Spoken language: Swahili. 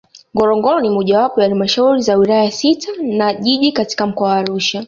Ngorongoro ni mojawapo ya Halmashauri za Wilaya sita na Jiji katika Mkoa wa Arusha